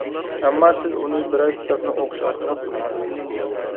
ئەمما سىز ئۇنى بىرەر كىتابنى ئوقۇش ئارقىلىق ئۆگىنەلمەيسىز.